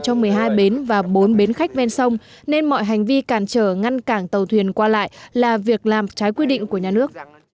trong một mươi hai bến và bốn bến khách ven sông nên mọi hành vi cản trở ngăn cản tàu thuyền qua lại là việc làm trái quy định của nhà nước